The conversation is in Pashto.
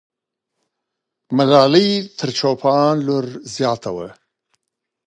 ملالۍ تر چوپان لور زیاته وه.